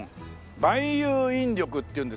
万有引力っていうんですか？